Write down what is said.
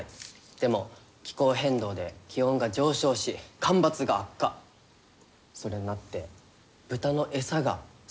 でも気候変動で気温が上昇し干ばつが悪化それになって豚の餌が作物が手に入らない。